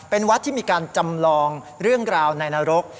เป็นวัดที่มีการจำลองเรื่องราวในนรก